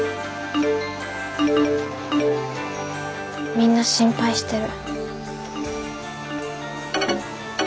みんな心配してる。